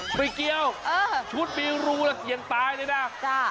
ไม่เกี่ยวชุดมีรูระเกียงตายเลยนะ